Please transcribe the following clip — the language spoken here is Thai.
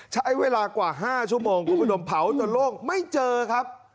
ใช้เวลากว่า๕ชั่วโมงคุณผู้ชมเผาจนโล่งไม่เจอครับ